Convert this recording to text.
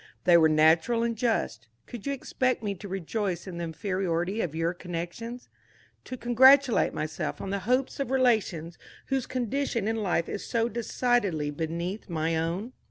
They were natural and just. Could you expect me to rejoice in the inferiority of your connections? To congratulate myself on the hope of relations whose condition in life is so decidedly beneath my own?"